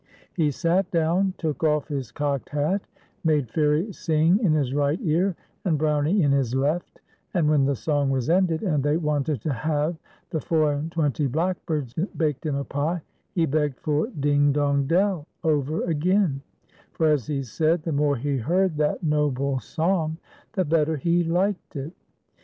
He sat down, took off" his cocked hat, made Fairie sing in his right ear and Brownie in his left; and when the song was ended, and they wanted to have the " Four and twenty blackbirds baked in a pie," he begged for "Ding, dong, dell" over again, for, as he said, the more he heard that noble song the better he liked it.